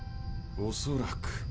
おそらく。